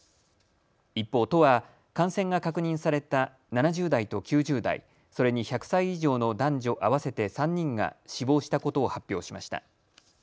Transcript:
一方、都は感染が確認された７０代と９０代、それに１００歳以上の男女合わせて３人が死亡したことを発表しました。